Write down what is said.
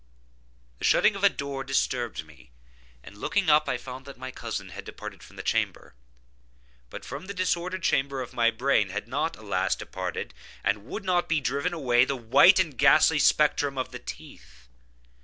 The shutting of a door disturbed me, and, looking up, I found that my cousin had departed from the chamber. But from the disordered chamber of my brain, had not, alas! departed, and would not be driven away, the white and ghastly spectrum of the teeth.